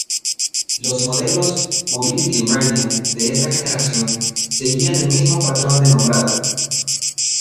Los modelos "Mobility Radeon" de esta generación seguían el mismo patrón de nombrado.